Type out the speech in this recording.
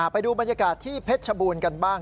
ไปดูบรรยากาศที่เพชรชบูรณ์กันบ้าง